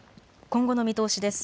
今後の見通しです。